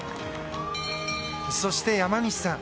そして、山西さん